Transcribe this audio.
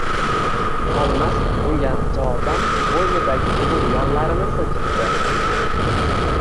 Tolmas bunga javoban bo‘ynidagi uzun yollarini silkitdi.